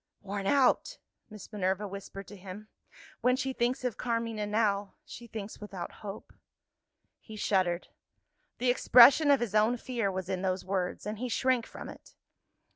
"Worn out!" Miss Minerva whispered to him. "When she thinks of Carmina now, she thinks without hope." He shuddered. The expression of his own fear was in those words and he shrank from it.